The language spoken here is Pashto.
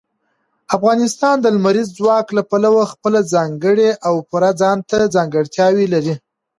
افغانستان د لمریز ځواک له پلوه خپله ځانګړې او پوره ځانته ځانګړتیاوې لري.